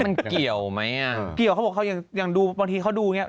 มันเกี่ยวไหมอ่ะเกี่ยวเขาบอกเขาอย่างอย่างดูบางทีเขาดูอย่างเงี้